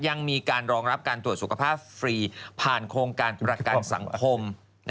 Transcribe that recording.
ยังมีการรองรับการตรวจสุขภาพฟรีผ่านโครงการประกันสังคม